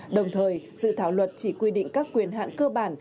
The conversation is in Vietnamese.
đồng thời dự thảo luật chỉ quy định các quyền hạn cơ bản